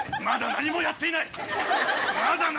まだ何もやっていないぞ。